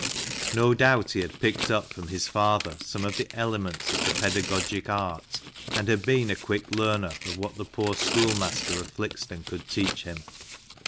No doubt he had picked up from his father some of the elements of the pedagogic art, and had been a quick learner of what the poor schoolmaster of Flixton could teach him.